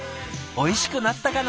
おいしくなったかな？